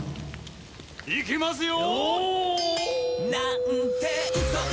いきますよ！